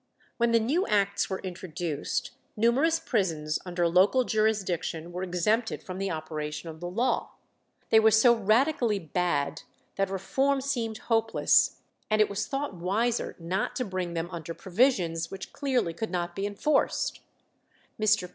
When the new acts were introduced, numerous prisons under local jurisdiction were exempted from the operation of the law. They were so radically bad that reform seemed hopeless, and it was thought wiser not to bring them under provisions which clearly could not be enforced. Mr.